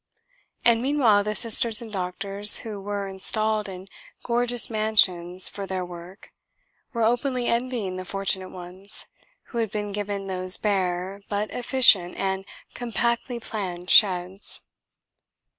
And meanwhile the Sisters and doctors who were installed in gorgeous mansions for their work were openly envying the fortunate ones who had been given those bare but efficient and compactly planned sheds.